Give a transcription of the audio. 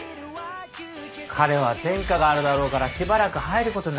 彼は前科があるだろうからしばらく入ることになるんじゃないか？